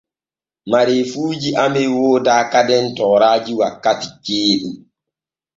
Mareefuuji amen wooda kadem toora wakkiti jeeɗu.